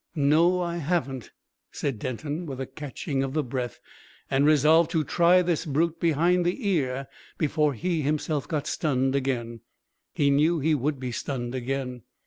"No, I haven't," said Denton, with a catching of the breath, and resolved to try this brute behind the ear before he himself got stunned again. He knew he would be stunned again.